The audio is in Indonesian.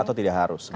atau tidak harus gitu